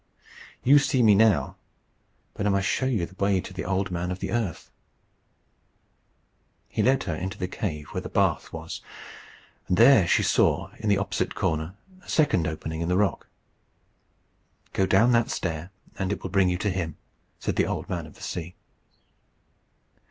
You see me now. But I must show you the way to the Old Man of the Earth." He led her into the cave where the bath was, and there she saw, in the opposite corner, a second opening in the rock. "Go down that stair, and it will bring you to him," said the Old Man of the Sea.